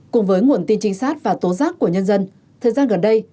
cùng với nguồn tin trinh sát và tố giác của nhân dân thời gian gần đây